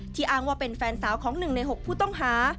ที่อ้างว่าเป็นแฟนสาวของหนึ่งในหกผู้ต้องหา